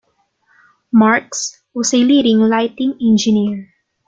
Marks, was a leading lighting engineer.